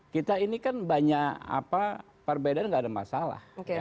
kita ini kan banyak perbedaan nggak ada masalah